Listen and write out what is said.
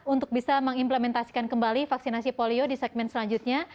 untuk bisa mengimplementasikan kembali vaksinasi polio di segmen selanjutnya